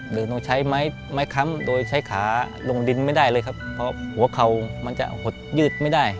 หรือต้องใช้ไม้ไม้ค้ำโดยใช้ขาลงดินไม่ได้เลยครับเพราะหัวเข่ามันจะหดยืดไม่ได้